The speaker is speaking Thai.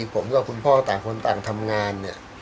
ผมกับคุณพ่อต่างคนต่างทำงานเนี่ย